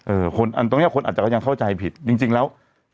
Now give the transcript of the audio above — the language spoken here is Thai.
คนอันตรงเนี้ยคนอาจจะก็ยังเข้าใจผิดจริงแล้ว